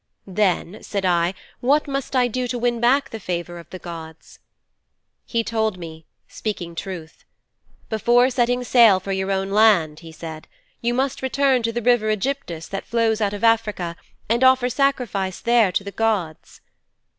'"Then," said I, "what must I do to win back the favor of the gods?"' 'He told me, speaking truth, "Before setting sail for your own land," he said, "you must return to the river Ægyptus that flows out of Africa, and offer sacrifice there to the gods."'